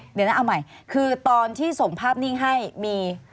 เดี๋ยวนะเอาใหม่คือตอนที่ส่งภาพนิ่งให้มี